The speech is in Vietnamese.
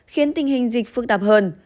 khiến tình hình dịch phức tạp hơn